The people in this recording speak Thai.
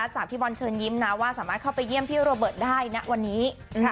จากพี่บอลเชิญยิ้มนะว่าสามารถเข้าไปเยี่ยมพี่โรเบิร์ตได้ณวันนี้